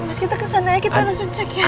mas kita ke sana ya kita langsung cek ya